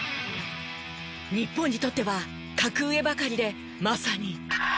日本にとっては格上ばかりでまさに。